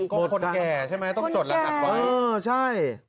ก็คนแก่ใช่ไหมต้องจดรหัสไว้เออใช่